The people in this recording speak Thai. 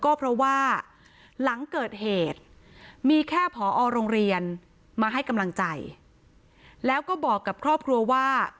ก็เพราะว่าหลังเกิดเหตุมีแค่ผอโรงเรียนมาให้กำลังใจแล้วก็บอกกับครอบครัวว่า